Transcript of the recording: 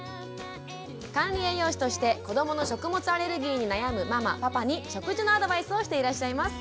管理栄養士としてこどもの食物アレルギーに悩むママパパに食事のアドバイスをしていらっしゃいます。